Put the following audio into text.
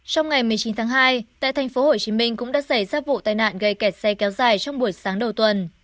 trong ngày một mươi chín tháng hai tại thành phố hồ chí minh cũng đã xảy ra vụ tai nạn gây kẹt xe kéo dài trong buổi sáng đầu tuần